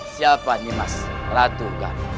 siapa nimas ratu galau